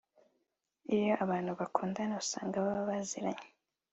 Iyo abantu bakundana usanga baba baziranye